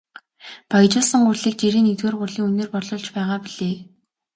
Баяжуулсан гурилыг жирийн нэгдүгээр гурилын үнээр борлуулж байгаа билээ.